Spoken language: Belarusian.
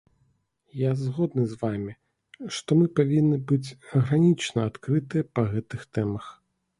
Я згодны з вамі, што мы павінны быць гранічна адкрытыя па гэтых тэмах.